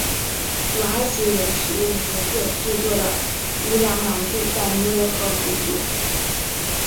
古埃及人使用竹子制作的渔梁篮子在尼罗河捕鱼。